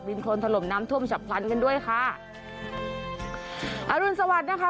โคนถล่มน้ำท่วมฉับพลันกันด้วยค่ะอรุณสวัสดิ์นะคะ